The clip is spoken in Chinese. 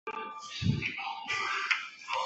荒地阿魏为伞形科阿魏属的植物。